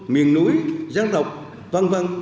miền núi gián độc v v